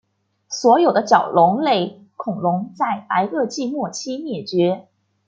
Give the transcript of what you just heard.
所有的角龙类恐龙在白垩纪末期灭绝。